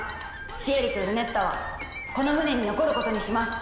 シエリとルネッタはこの船に残ることにします」。